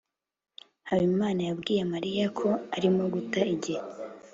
habimana yabwiye mariya ko arimo guta igihe